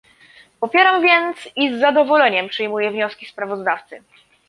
Popieram więc i z zadowoleniem przyjmuję wnioski sprawozdawcy